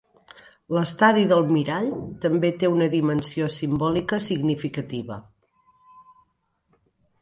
L'estadi del mirall també té una dimensió simbòlica significativa.